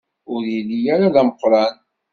Ur yelli ara d ameqṛan.